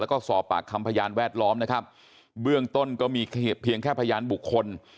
แล้วก็สอบปากคำพยานแวดล้อมนะครับเบื้องต้นก็มีเพียงแค่พยานบุคคล